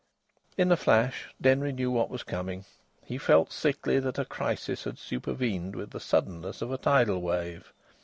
In a flash Denry knew what was coming. He felt sickly that a crisis had supervened with the suddenness of a tidal wave.